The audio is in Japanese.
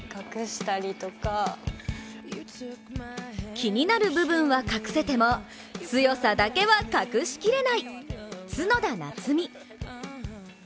気になる部分は隠せても強さだけは隠しきれない、角田夏実。